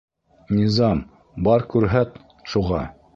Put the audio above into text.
Низам, бар, күрһәт шуға!